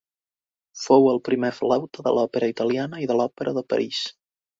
Fou el primer flauta de l'Òpera Italiana i de l’Òpera de París.